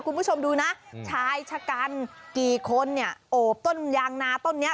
คุณผู้ชมดูนะชายชะกันกี่คนเนี่ยโอบต้นยางนาต้นนี้